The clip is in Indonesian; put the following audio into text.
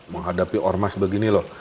menghadapi ormas begini loh